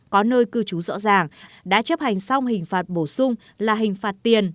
có nơi cư trú rõ ràng đã chấp hành xong hình phạt bổ sung là hình phạt tiền